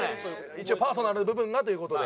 一応パーソナルな部分がという事で。